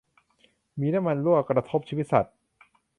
มีน้ำมันรั่ว กระทบชีวิตสัตว์